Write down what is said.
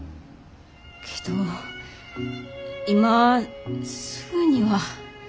けど今すぐには。